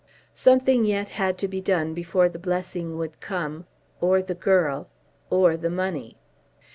Something yet had to be done before the blessing would come, or the girl, or the money.